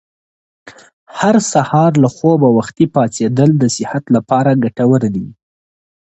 هر سهار له خوبه وختي پاڅېدل د صحت لپاره ګټور دي.